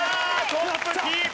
トップキープ。